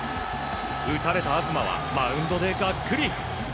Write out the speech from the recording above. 打たれた東はマウンドでがっくり。